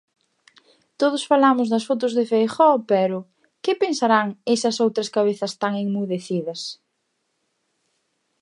Todos falamos das fotos de Feijóo pero, que pensarán esas outras cabezas tan enmudecidas?